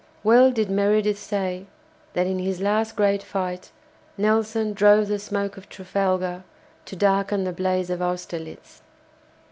Well did Meredith say that in his last great fight Nelson "drove the smoke of Trafalgar to darken the blaze of Austerlitz."